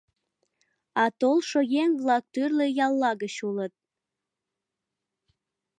А толшо еҥ-влак тӱрлӧ ялла гыч улыт.